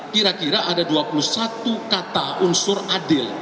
kira kira ada dua puluh satu kata unsur adil